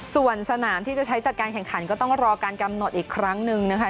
ส่วนสนามที่จะใช้จัดการแข่งขันก็ต้องรอการกำหนดอีกครั้งหนึ่งนะคะ